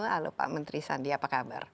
halo pak menteri sandi apa kabar